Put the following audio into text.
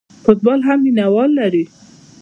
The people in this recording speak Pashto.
فوټبال هم مینه وال لري.